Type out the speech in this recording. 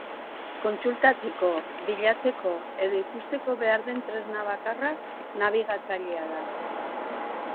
Kontsultatzeko, bilatzeko edo ikusteko behar den tresna bakarra nabigatzailea da.